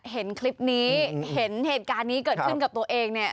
เห็นคลิปนี้เห็นเหตุการณ์นี้เกิดขึ้นกับตัวเองเนี่ย